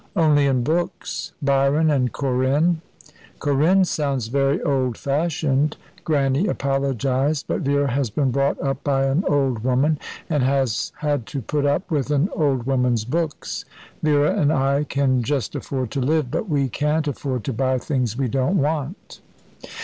"Only in books Byron and Corinne." "Corinne sounds very old fashioned," Grannie apologised, "but Vera has been brought up by an old woman, and has had to put up with an old woman's books. Vera and I can just afford to live, but we can't afford to buy things we don't want."